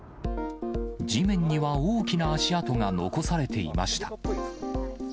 地面には大きな足跡が残されていました。